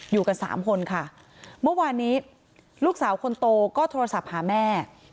อยู่กันสามคนค่ะเมื่อวานนี้ลูกสาวคนโตก็โทรศัพท์หาแม่